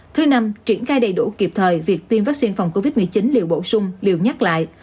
thứ năm triển khai đầy đủ kịp thời việc tiêm vaccine phòng covid một mươi chín liều bổ sung liều nhắc lại